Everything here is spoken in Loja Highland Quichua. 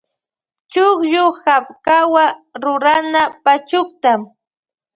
Chukllu kapkawa rurana pachukta.